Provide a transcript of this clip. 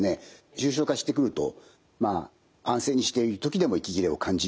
重症化してくると安静にしている時でも息切れを感じるようになります。